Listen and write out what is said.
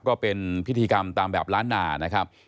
ก็เป็นพิธีกรรมตามแบบล้านนานะครับ